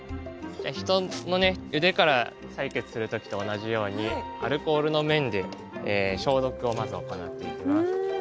人の腕から採血する時と同じようにアルコールの綿で消毒をまず行っていきます。